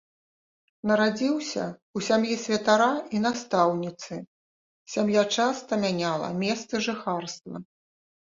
Нарадзіўся ў сям'і святара і настаўніцы, сям'я часта мяняла месцы жыхарства.